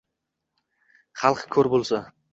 Xalq koʻr boʻlsa